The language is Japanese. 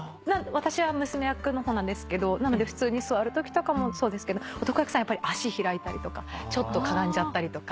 私は娘役の方なんですけどなので普通に座るときとかもそうですけど男役さんやっぱり足開いたりとかちょっとかがんじゃったりとか。